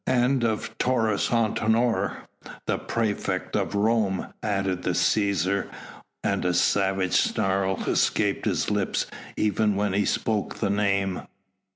"And of Taurus Antinor the praefect of Rome," added the Cæsar, and a savage snarl escaped his lips even when he spoke the name.